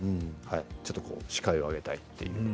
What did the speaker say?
ちょっと視界を上げているということで。